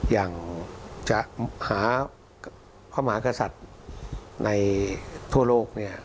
อย่างจะหาพระมหากษัตริย์ในทั่วโลก